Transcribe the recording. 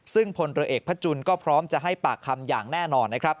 ซึ่งพลเวียกพระจุลก็พร้อมจะให้ปากคำอย่างแน่นอน